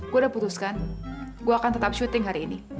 gue udah putuskan gue akan tetap syuting hari ini